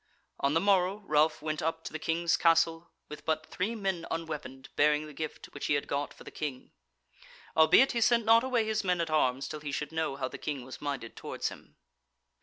On the morrow Ralph went up to the King's Castle with but three men unweaponed bearing the gift which he had got for the King. Albeit he sent not away his men at arms till he should know how the King was minded towards him.